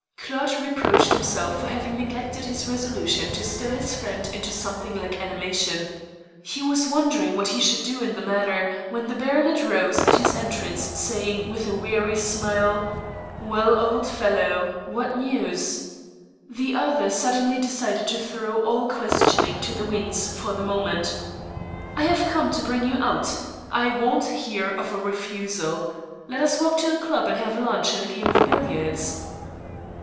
Claude reproached himself for having neglected his resolution to stir his friend into something like animation. He was wondering what he should do in the matter, when the baronet rose at his entrance, saying, with a weary smile: "Well, old fellow, what news?" The other suddenly decided to throw all questioning to the winds for the moment. "I have come to bring you out. I won't hear of a refusal. Let us walk to the club and have lunch and a game of billiards."